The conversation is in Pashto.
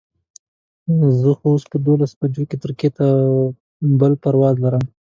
زه خو په دولس بجو ترکیې ته بل پرواز لرم.